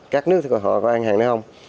các nước họ có ăn hàng nữa không